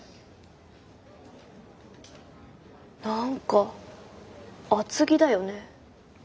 何か厚着だよね。